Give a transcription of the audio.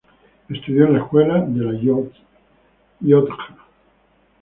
Estudió en la Escuela de la Llotja.